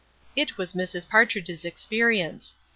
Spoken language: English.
It was Mrs. Partridge's experience.